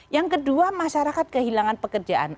yang kedua masyarakat kehilangan pekerjaan